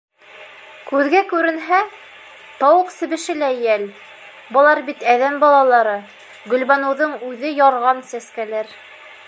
Күҙгә күренһә, тауыҡ себеше лә йәл, былар бит әҙәм балалары, Гөлбаныуҙың үҙе ярған сәскәләр.